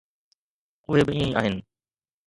اهي به ائين ئي آهن.